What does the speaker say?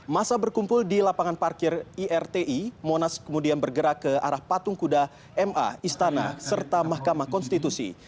masa berkumpul di lapangan parkir irti monas kemudian bergerak ke arah patung kuda ma istana serta mahkamah konstitusi